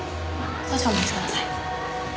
少々お待ちください。